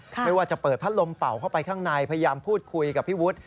ไม่ว่าจะเปิดพัดลมเป่าเข้าไปข้างในพยายามพูดคุยกับพี่วุฒิ